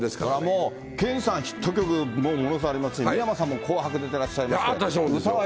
もう研さん、ヒット曲、ものすごいありますし、三山さんも紅白出てらっしゃいますし。。